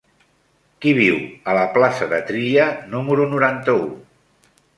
Qui viu a la plaça de Trilla número noranta-u?